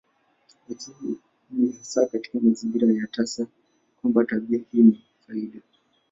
Lakini ni hasa katika mazingira haya tasa kwamba tabia hii ni faida.